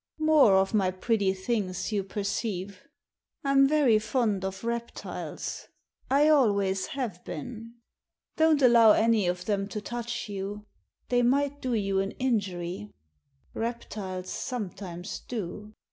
"More of my pretty things, you perceive. I'm very fond of reptiles. I always have beea Don't allow any of them to touch you. They might do you an injur>'. Reptiles sometimes do."